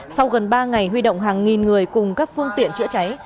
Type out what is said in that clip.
sau gần ba ngày huy động hàng nghìn người cùng các phương tiện chữa cháy